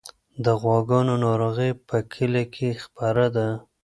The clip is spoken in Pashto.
د غواګانو ناروغي په کلي کې خپره ده.